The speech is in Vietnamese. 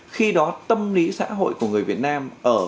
khi đó tâm lý xã hội của người việt nam ở